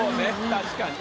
確かに。